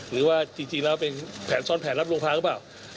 หรือว่าจริงแล้วแผลทรอนแผนรับวงพาเขาหรือไม่